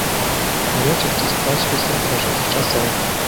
Авечак тут пасвяць са старажытных часоў.